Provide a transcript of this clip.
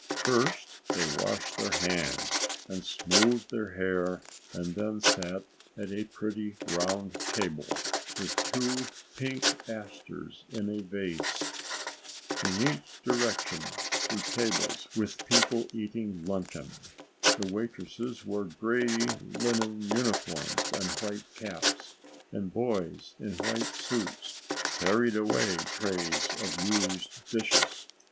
First they washed their hands and smoothed their hair and then sat at a pretty round table with two pink asters in a vase. In every direction were tables with people eating luncheon. The waitresses wore gray linen uniforms and white caps, and boys in white suits carried away trays of used dishes.